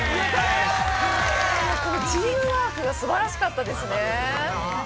チームワークが素晴らしかったですね。